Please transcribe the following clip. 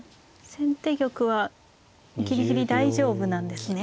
先手玉はギリギリ大丈夫なんですね。